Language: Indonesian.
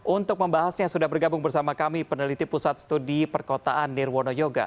untuk membahasnya sudah bergabung bersama kami peneliti pusat studi perkotaan nirwono yoga